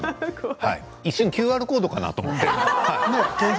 一瞬、ＱＲコードかと思った。